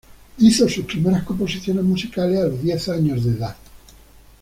Hizo sus primeras composiciones musicales a los diez años de edad.